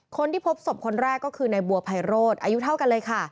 คนที่พบศพคนแรกก็คือในบัวไพโรธอายุเท่ากันเลยค่ะ